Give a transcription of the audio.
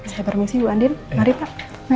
saya permisi bu andin mari pak